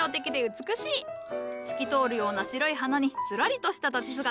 透き通るような白い花にすらりとした立ち姿。